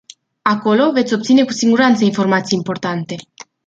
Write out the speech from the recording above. Acolo, veți obține cu siguranță informații importante.